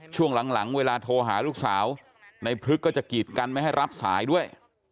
ช่วงหลังเวลาโทรหาลูกสาวในพลึกก็จะกีดกันไม่ให้รับสายด้วย